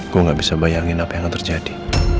gue gak bisa bayangin apa yang akan terjadi